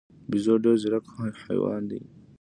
بیزو ډېر ځیرک حیوان دی.